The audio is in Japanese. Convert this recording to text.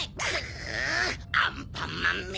アンパンマンめ！